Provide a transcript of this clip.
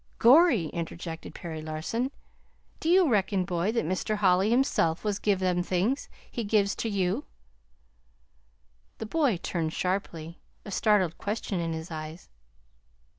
"Gorry!" interjected Perry Larson. "Do you reckon, boy, that Mr. Holly himself was give them things he gives ter you?" The boy turned sharply, a startled question in his eyes.